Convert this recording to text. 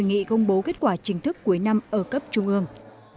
hội nghị công bố kết quả chính thức cuối năm ở cấp trung ương